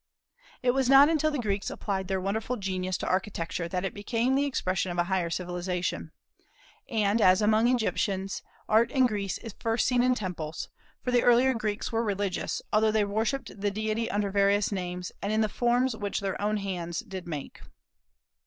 It was not until the Greeks applied their wonderful genius to architecture that it became the expression of a higher civilization. And, as among Egyptians, Art in Greece is first seen in temples; for the earlier Greeks were religious, although they worshipped the deity under various names, and in the forms which their own hands did make.